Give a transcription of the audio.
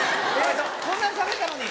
こんなにしゃべったのに。